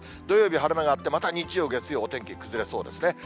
土曜日、晴れ間があって、また日曜、月曜、お天気崩れそうですね。